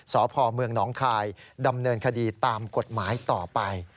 สพเมืองหนองคายดำเนินคดีตามกฎหมายต่อไป